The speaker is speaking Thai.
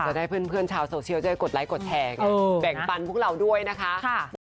จะได้เพื่อนชาวโซเชียลได้กดไลคดแชร์แบ่งปันพวกเราด้วยนะคะ